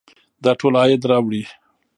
دا ټول عاید راوړي.